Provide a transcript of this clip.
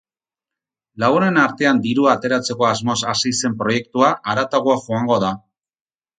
Lagunen artean dirua ateratzeko asmoz hasi zen proiektua haratago joango da.